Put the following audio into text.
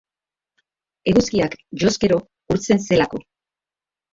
Eguzkiak joz gero urtzen zelako.